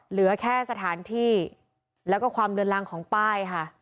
เหลือแค่สถานที่แล้วก็ความเลือนรังของป้ายค่ะ